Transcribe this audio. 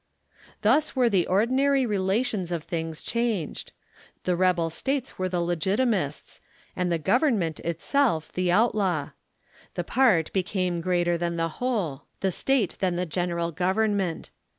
Thus were the ordinary relations of things changed. The rebel States were the legitimists, and the Government itself the outlaw. The part became greater than the whole ; the State, than the general Government.